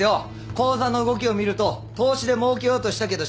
口座の動きを見ると投資でもうけようとしたけど失敗。